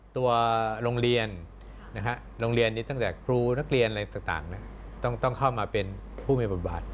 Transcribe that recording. ตัวโรงเรียนโรงเรียนนี้ตั้งแต่ครูนักเรียนอะไรต่างต้องเข้ามาเป็นผู้มีบทบาท